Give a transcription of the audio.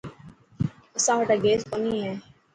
اسان وٽان گيس ڪوني هي.